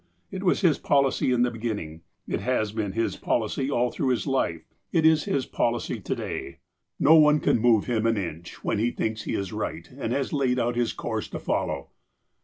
It was his policy in the beginning. It has been his policy all through his life. It is his policy to day. No one can move him 132 THE APOSTLE OF ALASKA an inch, when lie thinks he is right, and has laid out his course to follow.